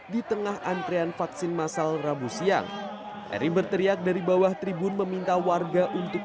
di tengah antrean vaksin masal rabu siang eri berteriak dari bawah tribun meminta warga untuk